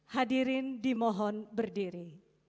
hadirin di mohon berdiri